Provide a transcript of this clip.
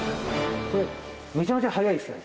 これめちゃめちゃ速いですよね。